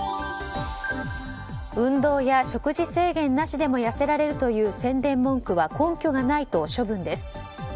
運動や食事制限なしでも痩せられるという宣伝文句は根拠がないと処分です。